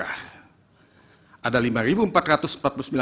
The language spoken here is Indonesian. ada enam delapan puluh empat tps di mana terdapat surat suara tertukar